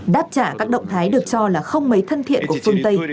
đáp trả các động thái được cho là không mấy thân thiện của phương tây